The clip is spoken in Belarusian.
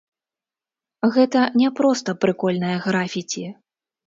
Гэта не проста прыкольнае графіці.